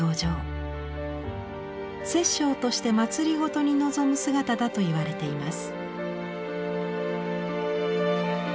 摂政として政に臨む姿だといわれています。